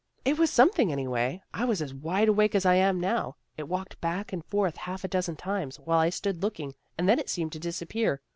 " It was something, anyway. I was as wide awake as I am now. It walked back and forth half a dozen times, while I stood looking, and then it seemed to disappear.